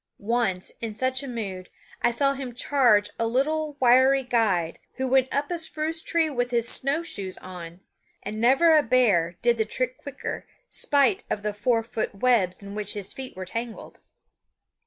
Once, in such a mood, I saw him charge a little wiry guide, who went up a spruce tree with his snowshoes on; and never a bear did the trick quicker, spite of the four foot webs in which his feet were tangled.